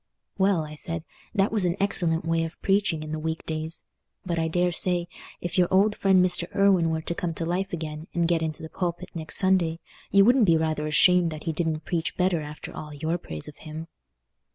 "Well," I said, "that was an excellent way of preaching in the weekdays; but I daresay, if your old friend Mr. Irwine were to come to life again, and get into the pulpit next Sunday, you would be rather ashamed that he didn't preach better after all your praise of him."